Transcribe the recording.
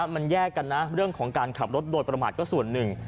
มันแยกกันนะเรื่องของการขับรถโดยประมาทก็ส่วนหนึ่ง